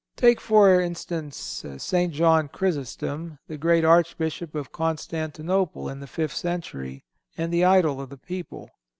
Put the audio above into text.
Take, for instance, St. John Chrysostom, the great Archbishop of Constantinople in the fifth century, and the idol of the people.